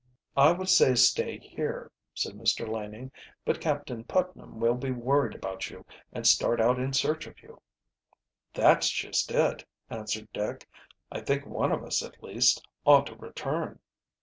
"I would say stay here," said Mr. Laning, "but Captain Putnam will be worried about you and start out in search of you." "That's just it," answered Dick. "I think one of us, at least, ought to return."